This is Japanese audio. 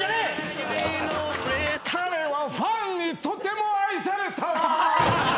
彼はファンにとても愛されたわ。